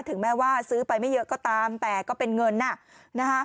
ถึงแม้ว่าซื้อไปไม่เยอะก็ตามแต่ก็เป็นเงินน่ะนะคะ